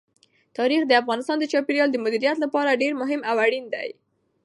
تاریخ د افغانستان د چاپیریال د مدیریت لپاره ډېر مهم او اړین دي.